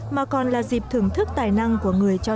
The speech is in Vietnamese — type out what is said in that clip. mà còn là dịp thưởng thức tài năng của người cho trẻ